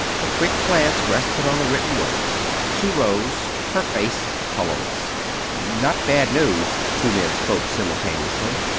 Her quick glance rested on the written words. She rose, her face colorless. "Not bad news?" The two men spoke simultaneously.